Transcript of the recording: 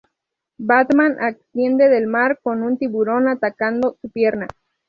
Batman asciende del mar con un tiburón atacando su pierna.